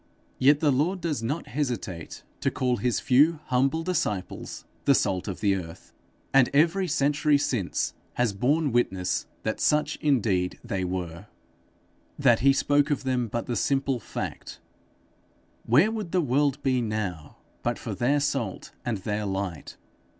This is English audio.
Yet the Lord does not hesitate to call his few humble disciples the salt of the earth; and every century since has borne witness that such indeed they were that he spoke of them but the simple fact. Where would the world be now but for their salt and their light!